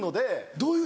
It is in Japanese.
どういう？